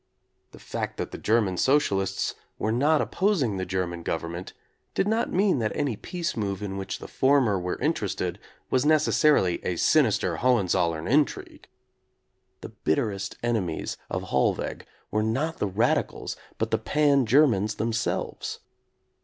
The fact that the German socialists were not opposing the German government did not mean that any peace move in which the former were interested was necessarily a sinister Hohen zollern intrigue. The bitterest enemies of Holl weg were not the radicals but the Pan Germans themselves.